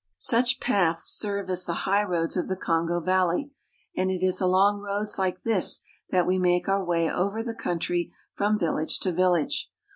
Such paths serve as the highroads of the Kongo valley, and it is along roads like this that we make our way over the country from village tp village.